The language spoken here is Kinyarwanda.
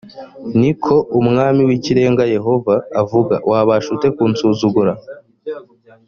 ni ko umwami w’ikirenga yehova avuga wabasha ute kunsuzugura‽